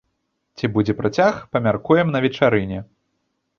Ці будзе працяг, памяркуем на вечарыне.